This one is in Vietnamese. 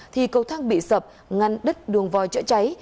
thì cầu thang bị sập ngăn đứt đường vòi chữa cháy